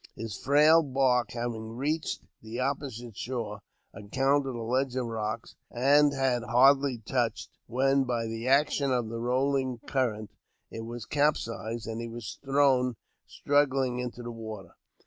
His frail bark, having reached the opposite shore, encountered a ledge of rocks, and had hardly touched, when, by the action of the rolling current, it was capsized, and he thrown struggling into the water.